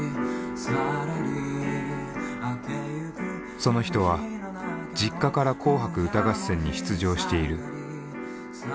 その人は実家から「紅白歌合戦」に出場している。